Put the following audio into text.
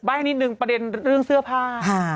ให้นิดนึงประเด็นเรื่องเสื้อผ้า